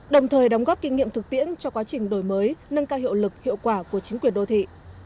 đồng thời đóng góp kinh nghiệm thực tiễn cho quá trình đổi mới nâng cao hiệu lực hiệu quả của chính quyền đô thị